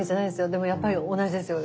でもやっぱり同じですよ。